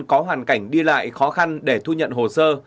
có hoàn cảnh đi lại khó khăn để thu nhận hồ sơ